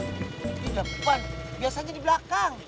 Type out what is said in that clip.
biasanya di belakang